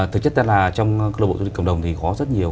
thực chất là trong câu lạc bộ du lịch cộng đồng thì có rất nhiều